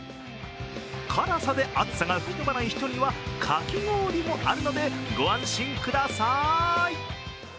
辛さで暑さが吹き飛ばない人にはかき氷もあるのでご安心ください！